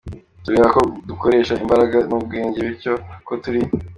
Atubwira ko dukoresha imbaraga n’ubwenge bityo ko turi